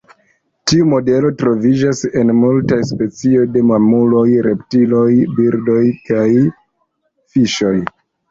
Tiu modelo troviĝas en multaj specioj de mamuloj, reptilioj, birdoj kaj fiŝoj.